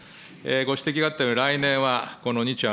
ご指摘があったように、来年はこの日